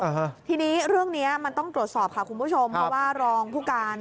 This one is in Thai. ฮะทีนี้เรื่องเนี้ยมันต้องตรวจสอบค่ะคุณผู้ชมเพราะว่ารองผู้การ